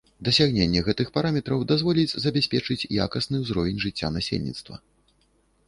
Дасягненне гэтых параметраў дазволіць забяспечыць якасны ўзровень жыцця насельніцтва.